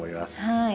はい。